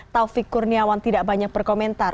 taufik kurniawan tidak banyak berkomentar